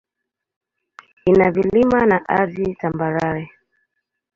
Ina vilima na ardhi tambarare.